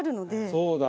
そうだ。